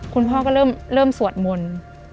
คุณพ่อก็เริ่มสวดมนต์